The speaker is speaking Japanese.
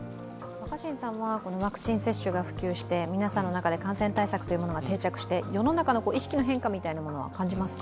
ワクチン接種が普及して皆さんの中で感染対策が普及して世の中の意識の変化みたいなものは感じますか？